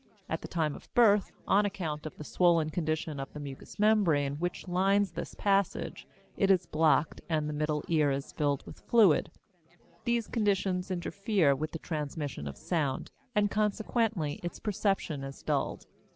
At the time of birth, on account of the swollen condition of the mucous membrane which lines this passage, it is blocked, and the middle ear is filled with fluid; these conditions interfere with the transmission of sound, and consequently its perception is dulled.